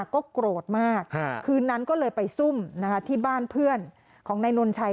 ก็โกรธมากคืนนั้นก็เลยไปซุ่มที่บ้านเพื่อนของนายนนชัย